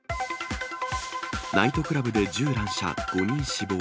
ナイトクラブで銃乱射、５人死亡。